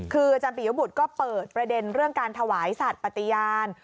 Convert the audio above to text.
คืออาจารย์ปียบุตรก็เปิดประเด็นเรื่องการถวายสัตว์ปฏิญาณ